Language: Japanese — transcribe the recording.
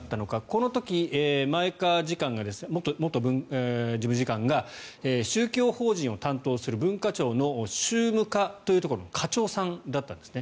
この時、前川元事務次官が宗教法人を担当する文化庁の宗務課というところの課長さんだったんです。